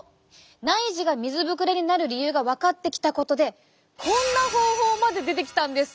内耳が水ぶくれになる理由が分かってきたことでこんな方法まで出てきたんです！